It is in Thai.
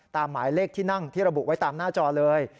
หมายเลขที่นั่งที่ระบุไว้ตามหน้าจอเลย